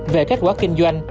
về kết quả kinh doanh